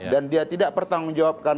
dan dia tidak bertanggung jawabkan